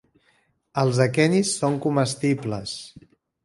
Els aquenis són comestibles.